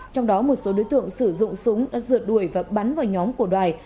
trong đó một số đối tượng sử dụng súng đã dượt đuổi và bắn vào nhóm của đoài